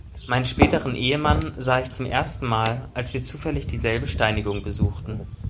Meinen späteren Ehemann sah ich zum ersten Mal, als wir zufällig dieselbe Steinigung besuchten.